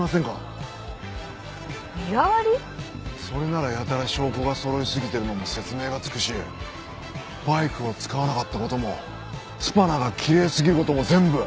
それならやたら証拠がそろいすぎてるのも説明がつくしバイクを使わなかった事もスパナがきれいすぎる事も全部。